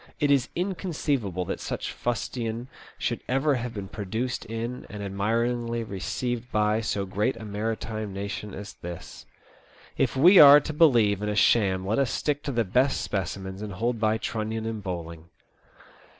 It is inconceivable that such fustian should ever have been produced in and admiringly received by so great a maritime nation as this. If we are to believe in a sham let us stick to the best specimens and hold by Trunnion and Bowling.